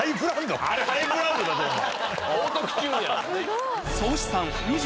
あれハイブランドだぞお前。